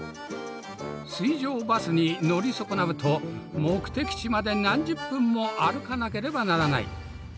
水上バスに乗り損なうと目的地まで何十分も歩かなければならない。